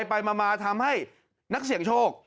ไปมาทำให้นักเสี่ยงโชค